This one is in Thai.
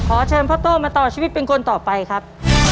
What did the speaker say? ขอเชิญพ่อโต้มาต่อชีวิตเป็นคนต่อไปครับ